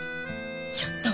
ちょっと！